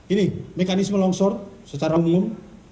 ini mekanisme longsor secara umum